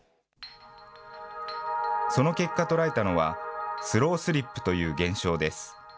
その結果、捉えたのは、スロースリップという現象です。